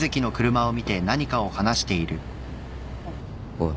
おい。